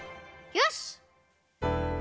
よし！